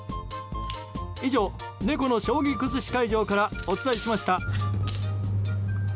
以上、猫の将棋崩し会場からお伝えしました。